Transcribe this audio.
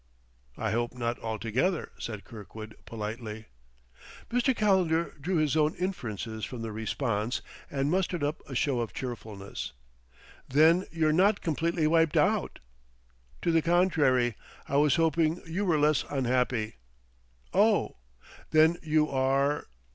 "I hope not altogether," said Kirkwood politely. Mr. Calendar drew his own inferences from the response and mustered up a show of cheerfulness. "Then you're not completely wiped out?" "To the contrary, I was hoping you were less unhappy." "Oh! Then you are